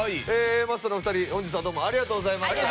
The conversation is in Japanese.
Ａマッソのお二人本日はどうもありがとうございました。